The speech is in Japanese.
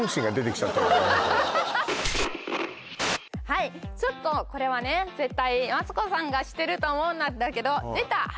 はいちょっとこれはね絶対マツコさんが知ってると思うなんだけど出た！